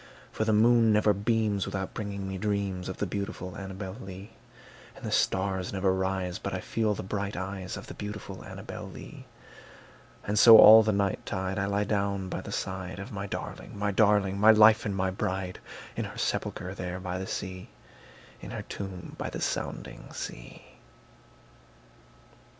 For the moon never beams, without bringing me dreams Of the beautiful Annabel Lee; And the stars never rise, but I feel the bright eyes Of the beautiful Annabel Lee; And so, all the night tide, I lie down by the side Of my darling, my darling, my life and my bride, In her sepulchre there by the sea, In her tomb by the sounding sea.